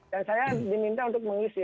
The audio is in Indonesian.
dan saya diminta untuk mengisi